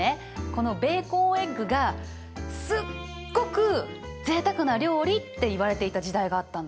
このベーコンエッグがすっごくぜいたくな料理っていわれていた時代があったんだよ。